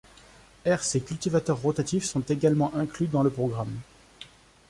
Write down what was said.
Herse et cultivateur rotatif sont également inclus dans le programme.